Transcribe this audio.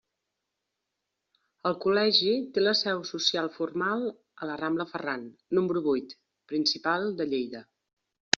El Col·legi té la seu social formal a la rambla Ferran, número vuit, principal, de Lleida.